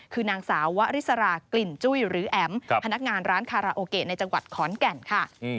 คือนางสาววริสรากลิ่นจุ้ยหรือแอ๋มพนักงานร้านคาราโอเกะในจังหวัดขอนแก่นค่ะ